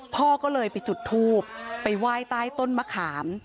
พ่อก็เลยไปจุดทูบไปไหว้ใต้ต้นมะขาม